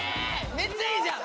めっちゃいいじゃん！